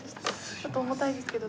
ちょっと重たいですけど。